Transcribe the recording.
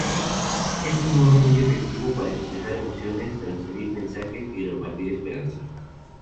Es un modo muy efectivo para expresar emociones, transferir mensajes y repartir esperanza.